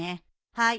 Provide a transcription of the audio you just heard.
はい。